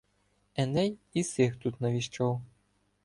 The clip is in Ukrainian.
Еней і сих тут навіщав.